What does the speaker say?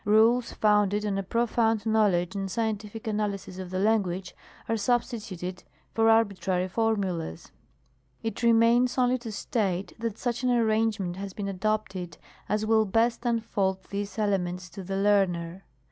Eules founded on a profound knowledge and scientific analy sis of the language are substituted for arbitrary formulas. It remains only to state, that such an arrangement has been adopted as will best unfold these elements to the learner.